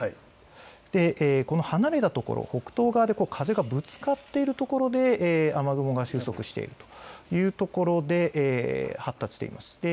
離れたところ、北東側で風がぶつかっているところで雨雲が収束しているということで発達しています。